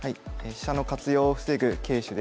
「飛車の活用を防ぐ軽手」です。